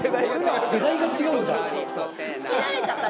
「世代が違うんだ」